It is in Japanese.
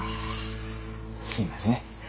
すいません。